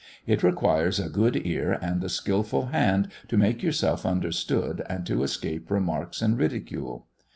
It requires a good ear and a skilful hand to make yourself understood and to escape remarks and ridicule.